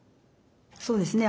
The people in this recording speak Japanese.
そうですね。